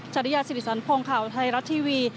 จริยาสิริสันพงศ์ข่าวไทยรัฐทีวี